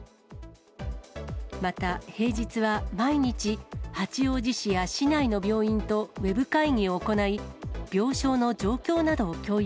また、平日は毎日、八王子市や市内の病院とウェブ会議を行い、病床の状況などを共有